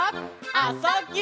「あ・そ・ぎゅ」